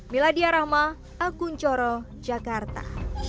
miladia rahma akun coro jakarta